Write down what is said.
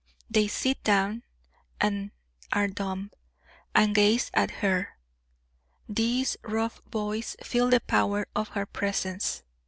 They sit down, and are dumb, and gaze at her. These rough boys feel the power of her presence.